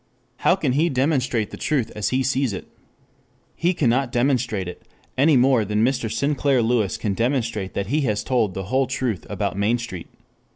How can he demonstrate the truth as he sees it? He cannot demonstrate it, any more than Mr. Sinclair Lewis can demonstrate that he has told the whole truth about Main Street.